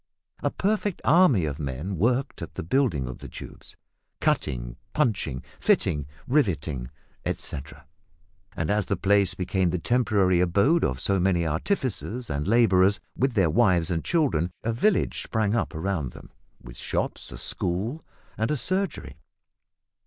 A perfect army of men worked at the building of the tubes; cutting, punching, fitting, riveting, etcetera, and as the place became the temporary abode of so many artificers and labourers, with their wives and children, a village sprang up around them, with shops, a school, and a surgery.